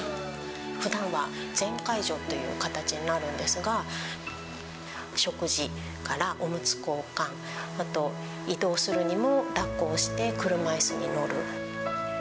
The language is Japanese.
ふだんは全介助っていう形になるんですが、食事からおむつ交換、あと移動するにもだっこをして車いすに乗る。